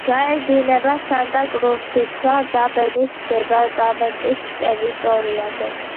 გაედინება სანტა-კრუსისა და ბენის დეპარტამენტების ტერიტორიაზე.